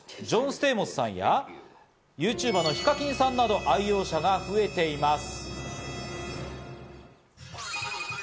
ステイモスさんやＹｏｕＴｕｂｅｒのＨＩＫＡＫＩＮさんなど、愛用者が増えています。